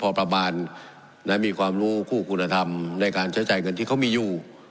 พอประมาณมีความรู้คู่คุณธรรมในการใช้จ่ายเงินที่เขามีอยู่